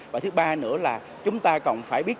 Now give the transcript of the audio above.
và thứ ba nữa là chúng ta còn phải biết